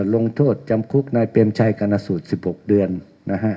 ลงโทษจำคุกนายเปรมชัยกรณสูตร๑๖เดือนนะฮะ